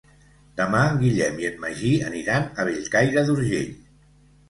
Demà en Guillem i en Magí aniran a Bellcaire d'Urgell.